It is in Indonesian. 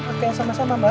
oke sama sama mbak